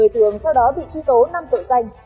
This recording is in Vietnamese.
một mươi tường sau đó bị truy tố năm tội danh